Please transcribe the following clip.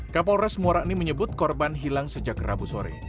kapolres muara ini menyebut korban hilang sejak rabu sore